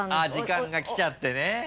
時間がきちゃってね。